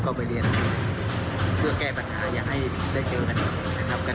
ก็ไปเรียนอันนี้เพื่อแก้ปัญหาอย่างให้ได้เจอกัน